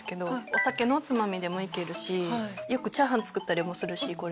お酒のおつまみでもいけるしよくチャーハン作ったりもするしこれで。